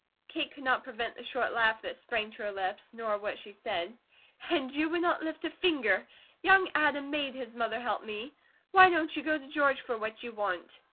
Kate could not prevent the short laugh that sprang to her lips, nor what she said: "And you would not lift a finger; young Adam MADE his MOTHER help me. Why don't you go to George for what you want?"